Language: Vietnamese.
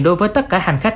đối với tất cả hành khách